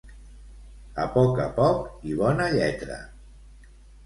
A poc a poc i bona lletra